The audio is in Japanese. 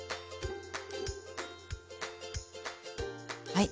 はい。